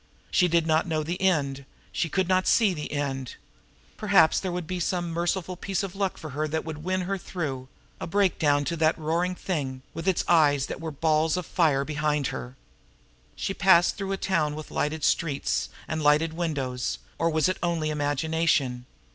She did not know the end; she could not see the end. Perhaps there would be some merciful piece of luck for her that would win her through a break down to that roaring thing, with its eyes that were balls of fire, behind. She passed through a town with lighted streets and lighted windows or was it only imagination?